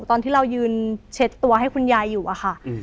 ตอนที่เรายืนเช็ดตัวให้คุณยายอยู่อะค่ะ